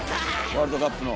ワールドカップの。